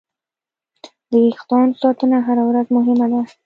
د وېښتیانو ساتنه هره ورځ مهمه ده.